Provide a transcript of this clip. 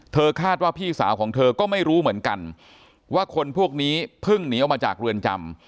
คาดว่าพี่สาวของเธอก็ไม่รู้เหมือนกันว่าคนพวกนี้เพิ่งหนีออกมาจากเรือนจำ